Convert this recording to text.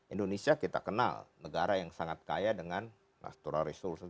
indonesia kita kenal negara yang sangat kaya dengan natural resource